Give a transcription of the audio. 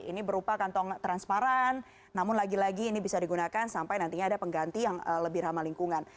ini berupa kantong transparan namun lagi lagi ini bisa digunakan sampai nantinya ada pengganti yang lebih ramah lingkungan